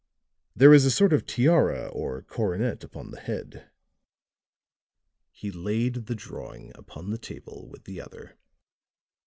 "There is a sort of tiara, or coronet upon the head." He laid the drawing upon the table with the other.